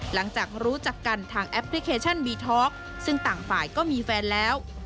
หลังจากรู้จักกันทางแอปพลิเคชันบีท็อกซึ่งต่างฝ่ายก็มีแฟนแล้ว